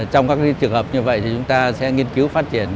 trong các trường hợp như vậy thì chúng ta sẽ nghiên cứu phát triển